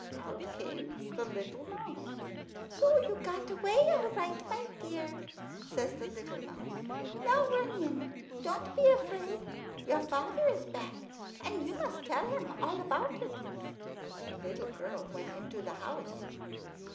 Out came the little mouse. "So you got away all right, my dear," says the little mouse. "Now run in. Don't be afraid. Your father is back, and you must tell him all about it." The little girl went into the house.